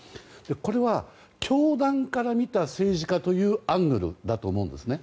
これは、教団から見た政治家というアングルだと思うんですね。